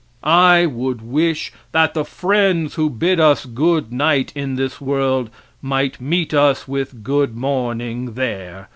I would wish that the friends who bid us "good night" in this world might meet us with "good morning" there.